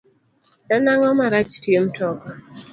En ango marach tie mtoka